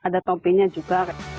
ada tompenya juga